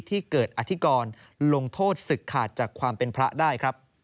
ที่เกิดอธิกรลงโทษศึกขาดจากความเป็นพระได้ครับ